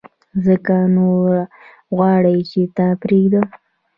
ځکه نو غواړم چي تا پرېږدم !